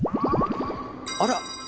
あら？